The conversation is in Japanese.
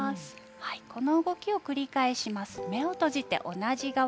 この動きを繰り返します。